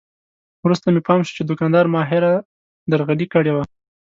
وروسته مې پام شو چې دوکاندار ماهره درغلي کړې وه.